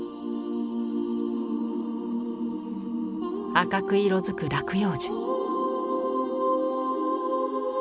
赤く色づく落葉樹。